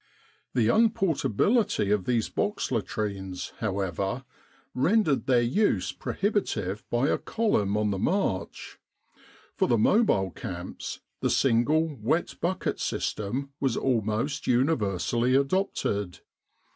The unportability of these box latrines, however, rendered their use prohibitive by a column on the march. For the mobile camps the single wet bucket system was almost universally adopted.